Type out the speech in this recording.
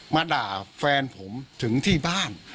มาด่าแฟนผมถึงที่บ้าน